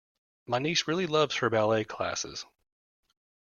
My niece really loves her ballet classes